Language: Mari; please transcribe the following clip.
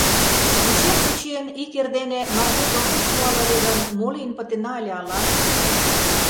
Вучен-вучен, ик эрдене мардеж огеш пуал ыле гын, мо лийын пытена ыле ала.